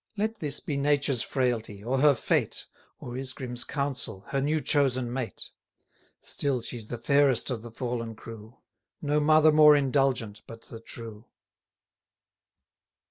Let this be nature's frailty, or her fate, Or Isgrim's counsel, her new chosen mate; Still she's the fairest of the fallen crew, 450 No mother more indulgent, but the true.